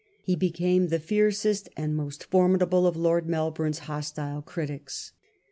He became the fiercest and most formidable of Lord Melbourne's hostile critics.